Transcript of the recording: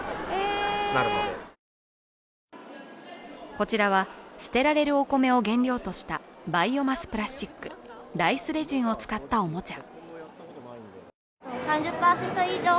こちらは捨てられるお米を原料としたバイオマスプラスチック、ライスレジンを使ったおもちゃ。